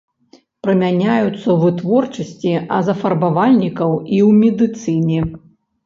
Прымяняюцца ў вытворчасці азафарбавальнікаў і ў медыцыне.